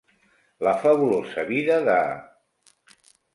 La fabulosa vida de...